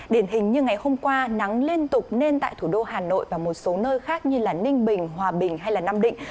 điển hình như ngày hôm qua nắng liên tục nên tại thủ đô hà nội và một số nơi khác như ninh bình hòa bình hay nam định